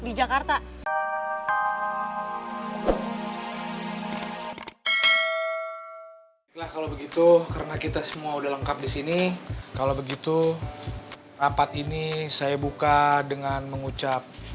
iya maaf kebawah suasana